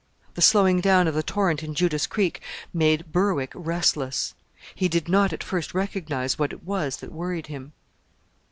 The slowing down of the torrent in Judas Creek made Berwick restless. He did not at first recognize what it was that worried him.